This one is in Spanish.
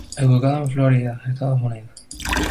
Educado en Florida, Estados Unidos.